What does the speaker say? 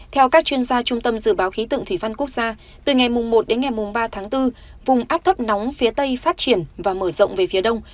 theo các chuyên gia trung tâm dự báo khí tượng thủy văn quốc gia từ ngày một đến ngày ba tháng bốn vùng áp thấp nóng phía tây phát triển và mở rộng về phía đông